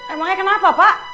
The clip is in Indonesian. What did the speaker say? emangnya kenapa pak